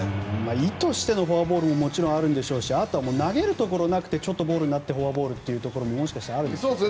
意としてのフォアボールももちろんあるでしょうしあとは投げるところなくてボールになってフォアボールというところももしかしてあるんですかね。